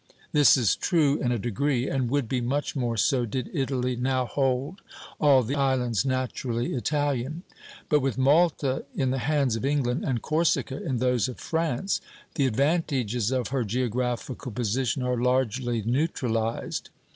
This is true in a degree, and would be much more so did Italy now hold all the islands naturally Italian; but with Malta in the hands of England, and Corsica in those of France, the advantages of her geographical position are largely neutralized.